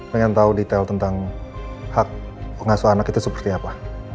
pengen tahu detail tentang hak pengasuh anak itu seperti apa